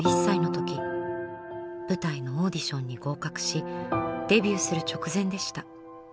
舞台のオーディションに合格しデビューする直前でした。